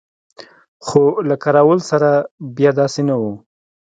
خو له کراول سره بیا داسې نه وو.